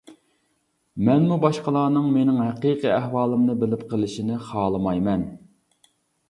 مەنمۇ باشقىلارنىڭ مېنىڭ ھەقىقىي ئەھۋالىمنى بىلىپ قېلىشىنى خالىمايمەن.